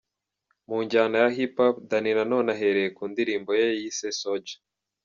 Mu njyana ya Hip Hop, Danny Nanone, ahereye ku ndirimbo ye yise ’Soldier’.